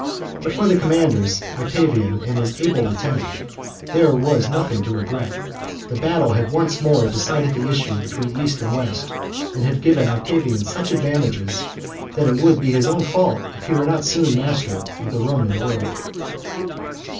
But for the commanders, Octavian and his able lieutenant, there was nothing to regret. The battle had once more decided the issue between East and West, and had given Octavian such advantages that it would be his own fault if he were not soon master of the Roman World.